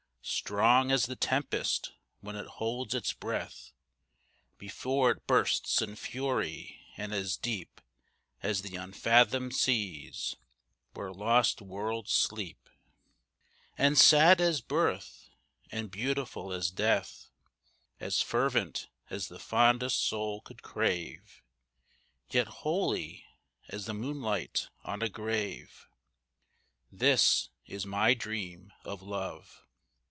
Strong as the tempest when it holds its breath, Before it bursts in fury; and as deep As the unfathomed seas, where lost worlds sleep, And sad as birth, and beautiful as death. As fervent as the fondest soul could crave, Yet holy as the moonlight on a grave. This is my dream of Love.